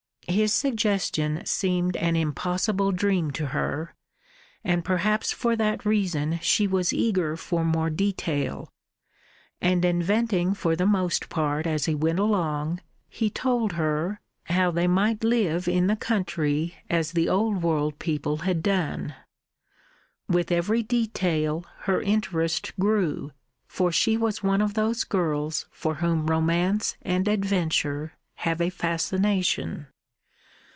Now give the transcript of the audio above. His suggestion seemed an impossible dream to her, and perhaps for that reason she was eager for more detail. And inventing for the most part as he went along, he told her, how they might live in the country as the old world people had done. With every detail her interest grew, for she was one of those girls for whom romance and adventure have a fascination.